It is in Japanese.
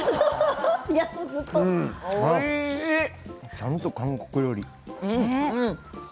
ちゃんと韓国料理。